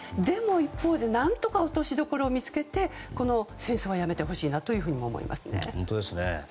でも一方で何とか落としどころを見つけてこの戦争はやめてほしいなとも思います。